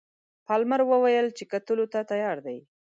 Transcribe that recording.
پالمر وویل چې کتلو ته تیار دی.